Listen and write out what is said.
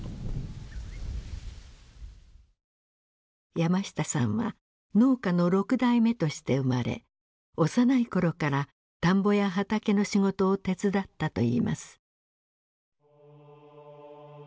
山下さんは農家の６代目として生まれ幼い頃から田んぼや畑の仕事を手伝ったといいます。